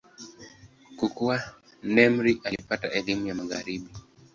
Kukua, Nimr alipata elimu ya Magharibi.